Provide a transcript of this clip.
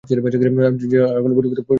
যার আর কোনো পরিবর্তন ঘটার ছিল না।